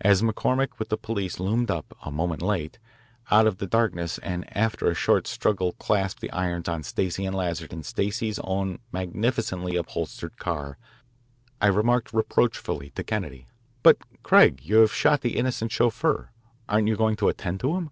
As McCormick with the police loomed up, a moment late, out of the darkness and after a short struggle clapped the irons on Stacey and Lazard in Stacey's own magnificently upholstered car, I remarked reproachfully to Kennedy: "But, Craig, you have shot the innocent chauffeur. Aren't you going to attend to him?"